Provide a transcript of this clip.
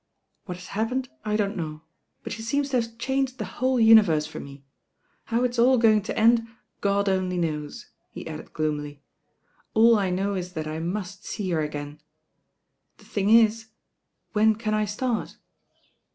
What has hap. pcned I don't know; but she seems to have changed the whole universe for me. How it's aU going to end, God only knows," he added gloomily. "AU I know is that I must see her again. The thing is when can I start?"